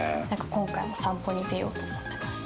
今回も散歩に出ようと思ってます。